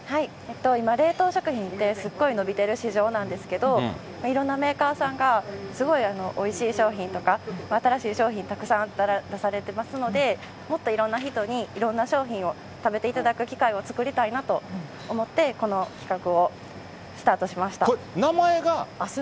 今、冷凍食品ってすごい伸びてる市場なんですけれども、いろんなメーカーさんがすごいおいしい商品とか、新しい商品、たくさん出されてますので、もっといろんな人にいろんな商品を食べていただく機会を作りたいなと思って、これ、名前が。